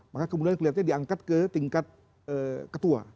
maka kemudian kelihatannya diangkat ke tingkat ketua